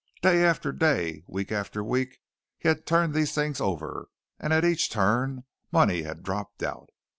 Day after day, week after week, he had turned these things over, and at each turn money had dropped out.